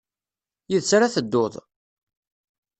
Yid-s ara ad tedduḍ?